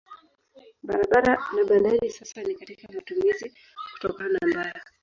Barabara na bandari sasa si katika matumizi kutokana na mbaya.